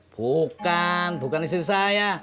bukan bukan istri saya